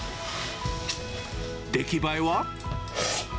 出来栄えは？